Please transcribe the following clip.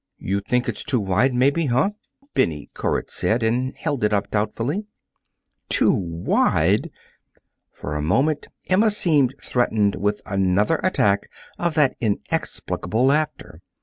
"You think it's too wide, maybe, huh?" Bennie Koritz said, and held it up doubtfully. "Too wide!" For a moment Emma seemed threatened with another attack of that inexplicable laughter.